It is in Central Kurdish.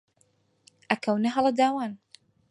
ئەکەونە هەلە داوان